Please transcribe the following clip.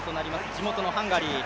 地元のハンガリー。